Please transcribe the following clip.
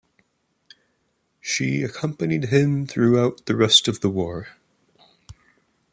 She accompanied him throughout the rest of the war.